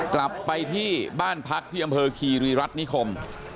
กลับไปที่บ้านพักที่อำเภอคีรีรัฐนิคม